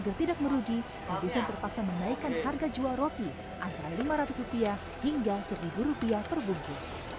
agar tidak merugi produsen terpaksa menaikkan harga jual roti antara lima ratus rupiah hingga seribu rupiah per bungkus